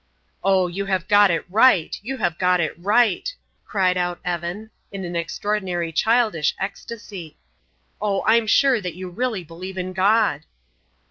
"Oh, you have got it right, you have got it right!" cried out Evan, in an extraordinary childish ecstasy. "Oh, I'm sure that you really believe in God!"